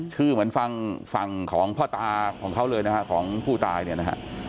เหมือนฟังฝั่งของพ่อตาของเขาเลยนะฮะของผู้ตายเนี่ยนะฮะ